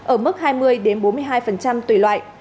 ở mức hai mươi bốn mươi hai tùy loại